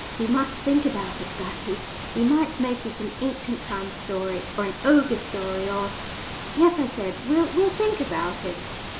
We must think about it, Gussie. We might make it an 'ancient times' story, or an ogre story, or " "Yes," I said, "we'll think about it."